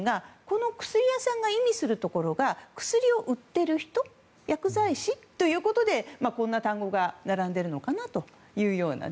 この薬屋さんが意味するところが薬を売っている人薬剤師ということでこんな単語が並んでいるのかなというような。